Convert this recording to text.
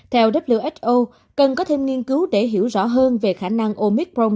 theo who cần có thêm nghiên cứu để hiểu rõ hơn về khả năng omicron